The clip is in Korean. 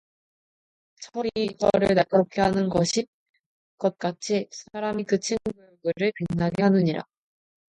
철이 철을 날카롭게 하는 것 같이 사람이 그 친구의 얼굴을 빛나게 하느니라